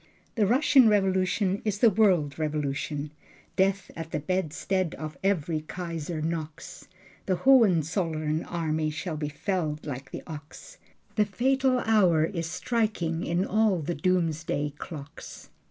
The Russian Revolution is the world revolution. Death at the bedstead of every Kaiser knocks. The Hohenzollern army shall be felled like the ox. The fatal hour is striking in all the doomsday clocks.